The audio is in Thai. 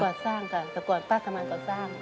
ไปกอดสร้างกันแต่ก่อนป้าก็ทำงานกอดสร้าง